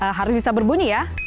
bel ini harus bisa berbunyi ya